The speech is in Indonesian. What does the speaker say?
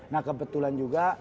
nah kebetulan juga